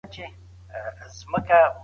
سفیران چیرته نړیوالي غونډي تنظیموي؟